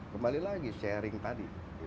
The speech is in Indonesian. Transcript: kembali lagi sharing tadi